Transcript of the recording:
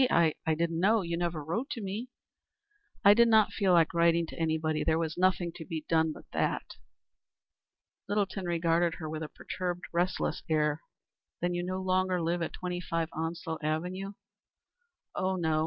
I did not know. You never wrote to me." "I did not feel like writing to any body. There was nothing to be done but that." Littleton regarded her with a perturbed, restless air. "Then you live no longer at 25 Onslow Avenue?" "Oh, no.